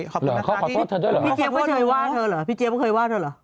ขอโทษเธอด้วยเหรอพี่เจี๊ยไม่เคยว่าเธอเหรอพี่เจี๊ยไม่เคยว่าเธอเหรอ